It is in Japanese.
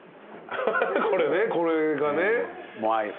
これねこれがね。すごっ。